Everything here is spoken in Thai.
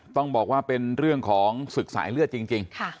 ต้องบอกว่าเป็นเรื่องของศึกสายเลือดจริง